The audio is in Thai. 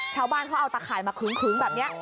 ชาวบ้านเขาเอาตะข่ายมาขึงแบบนี้